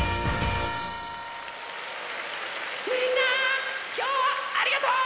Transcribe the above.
みんなきょうはありがとう！